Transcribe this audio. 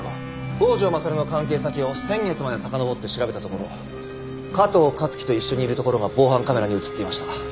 郷城勝の関係先を先月までさかのぼって調べたところ加藤香月と一緒にいるところが防犯カメラに映っていました。